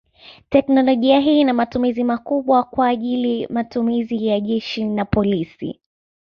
Teknolojia hii ina matumizi makubwa kwa ajili matumizi ya jeshi na polisi.